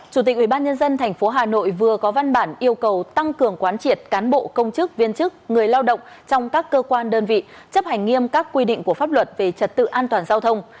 chủ tịch ubnd tp hà nội vừa có văn bản yêu cầu tăng cường quán triệt cán bộ công chức viên chức người lao động trong các cơ quan đơn vị chấp hành nghiêm các quy định của pháp luật về trật tự an toàn giao thông